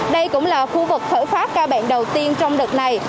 đây cũng là khu vực khởi phát ca bệnh đầu tiên trong đợt này